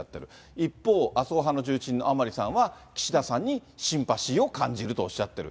一方、麻生派の重鎮の甘利さんは岸田さんにシンパシーを感じるとおっしゃっている。